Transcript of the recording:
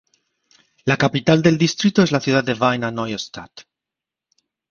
La capital del distrito es la ciudad de Wiener Neustadt.